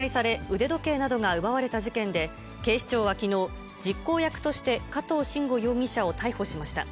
狛江市の住宅で大塩衣与さんが殺害され、腕時計などが奪われた事件で、警視庁はきのう、実行役として加藤臣吾容疑者を逮捕しました。